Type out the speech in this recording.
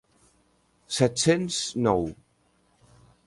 set-cents nou.